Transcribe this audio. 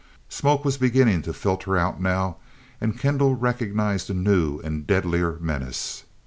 Smoke was beginning to filter out now, and Kendall recognized a new, and deadlier menace!